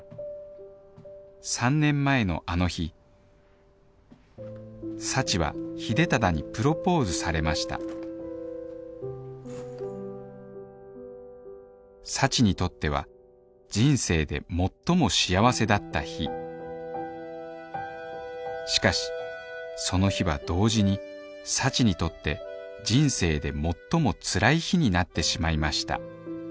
３年前のあの日幸は秀忠にプロポーズされました幸にとっては人生でもっとも幸せだった日しかしその日は同時に幸にとって人生でもっともつらい日になってしまいました